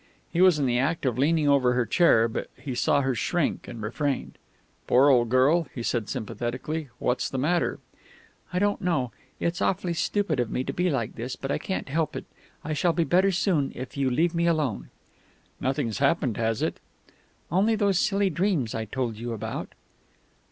He was in the act of leaning over her chair, but he saw her shrink, and refrained. "Poor old girl!" he said sympathetically. "What's the matter?" "I don't know. It's awfully stupid of me to be like this, but I can't help it. I shall be better soon if you leave me alone." "Nothing's happened, has it?" "Only those silly dreams I told you about."